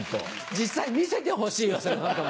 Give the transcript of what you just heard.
実際見せてほしいわそれ。